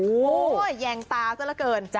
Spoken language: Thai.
โอ้โหแยงตาซะละเกิน